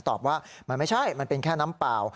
ตอบว่ามันไม่ใช่มันเป็นแค่น้ำเปล่า